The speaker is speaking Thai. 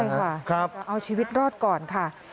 ใช่ค่ะเอาชีวิตรอดก่อนค่ะ